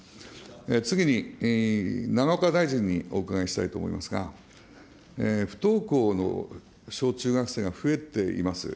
次に、永岡大臣にお伺いしたいと思いますが、不登校の小中学生が増えています。